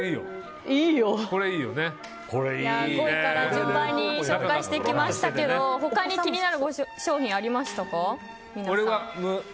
順番に紹介していきましたけど他に気になる商品ありましたか？